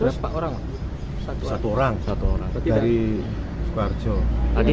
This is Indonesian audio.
satu orang satu orang satu orang dari